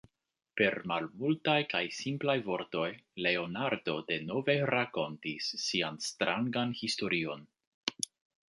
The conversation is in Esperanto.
Per malmultaj kaj simplaj vortoj Leonardo denove rakontis sian strangan historion.